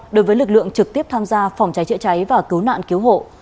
đối với lực lượng trực tiếp tham gia phòng cháy chữa cháy và cứu nạn cứu hộ